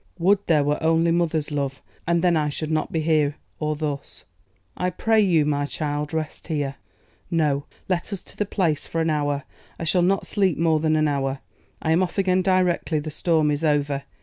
Would there were only mother's love, and then I should not be here or thus.' 'I pray you, my child, rest here.' 'No! let us to the Place, for an hour; I shall not sleep more than an hour. I am off again directly the storm is over.